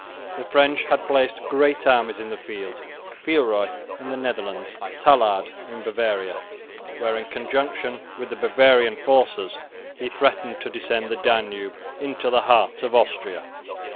The French had placed great armies in the field, Villeroy in the Netherlands, Tallard in Bavaria, where in conjunction with the Bavarian forces he threatened to descend the Danube into the heart of Austria.